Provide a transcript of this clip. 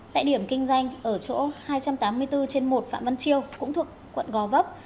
tại điểm kinh doanh ở chỗ hai trăm tám mươi bốn trên một phạm văn chiêu cũng thuộc quận gò vấp